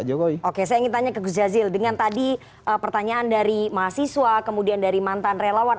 jokowi oke saya ingin tanya ke gus jazil dengan tadi pertanyaan dari mahasiswa kemudian dari mantan relawan